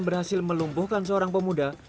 berhasil melumpuhkan seorang pemuda